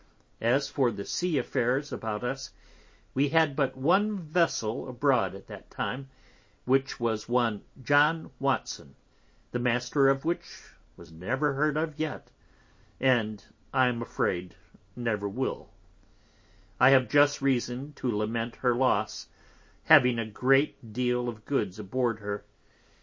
As for Sea Affairs about us, we had but one Vessel abroad at that time, which was one John Watson, the Master of which was never heard of yet, and I am afraid never will; I have just reason to lament her Loss, having a great deal of Goods aboard of her.